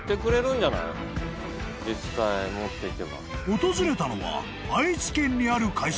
［訪れたのは愛知県にある会社］